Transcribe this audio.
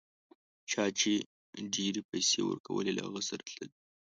چا چي ډېرې پیسې ورکولې له هغه سره تلل.